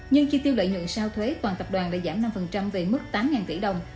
nhưng khi tiêu lợi nhuận sao thuế toàn tập đoàn đã giảm năm về mức tám tỷ đồng